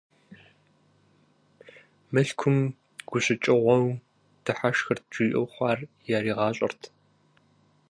Мылъкум гущыкӀыгъуэу дыхьэшхырт, жиӀэу хъуар яригъащӀэрт.